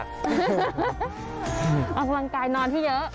ออกกำลังกายนอนให้เยอะ